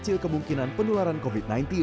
kecil kemungkinan penularan covid sembilan belas